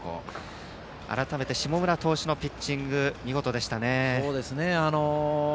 改めて下村投手のピッチング見事でしたね。